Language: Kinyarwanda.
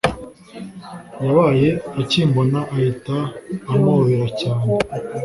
Yabaye akimbona ahita amobera cyane